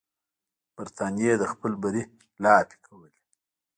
برټانیې د خپل بری لاپې کولې.